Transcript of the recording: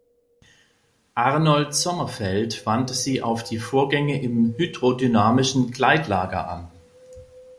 Arnold Sommerfeld wandte sie auf die Vorgänge im hydrodynamischen Gleitlager an.